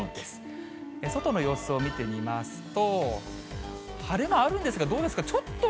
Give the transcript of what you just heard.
外の様子を見てみますと、晴れ間あるんですが、どうですか、ちょっと。